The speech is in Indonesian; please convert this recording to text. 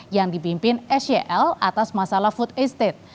yang dipimpin sel atas masalah food estate